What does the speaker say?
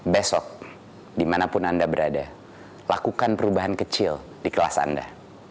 besok dimanapun anda berada lakukan perubahan kecil di kelas anda